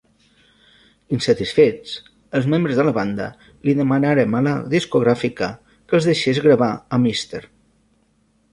Insatisfets, els membres de la banda li demanarem a la discogràfica que els deixés gravar amb Easter.